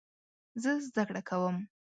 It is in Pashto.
زه زده کړه کوم